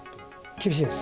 厳しいです。